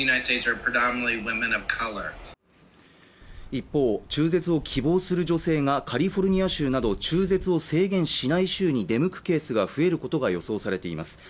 一方中絶を希望する女性がカリフォルニア州など中絶を制限しない州に出向くケースが増えることが予想されています